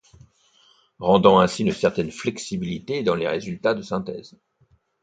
Rendant ainsi une certaine flexibilité dans les résultats de synthèse.